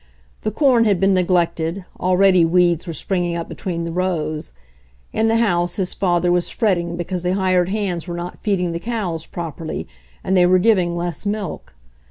The corn had been neglected, already weeds were springing up be tween the rows ; in the house his father was fret ting because the hired hands were not feeding the cows properly, and they were giving less milk.